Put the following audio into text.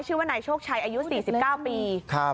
ชื่อว่านายโชคชัยอายุ๔๙ปี